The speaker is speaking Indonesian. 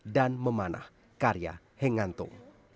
dan memanah karya hengantung